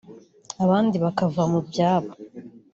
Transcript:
abandi bakava mu byabo